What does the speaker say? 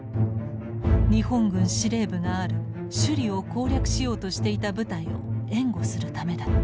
日本軍司令部がある首里を攻略しようとしていた部隊を援護するためだった。